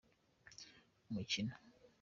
umukino.